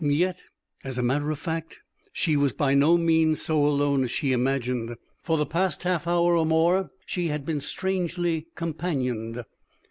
Yet, as a matter of fact, she was by no means so alone as she imagined. For the past half hour or more she had been strangely companioned.